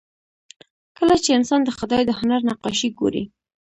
کله چې انسان د خدای د هنر نقاشي ګوري